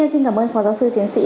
xin cảm ơn phó giáo sư tiến sĩ